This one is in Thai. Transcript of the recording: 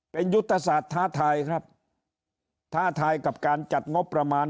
เป็นยุทธศาสตร์ท้าทายครับท้าทายกับการจัดงบประมาณ